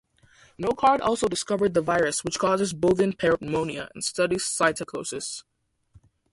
Nocard also discovered the virus which causes bovine peripneumonia and studied psittacosis.